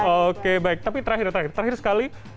oke baik tapi terakhir terakhir sekali